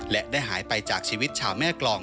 และได้หายไปจากชีวิตชาวแม่กรอง